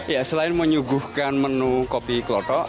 ya selain menyuguhkan menu kopi klotok